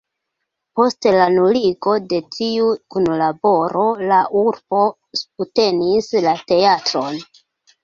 Post la nuligo de tiu kunlaboro la urbo subtenis la teatron.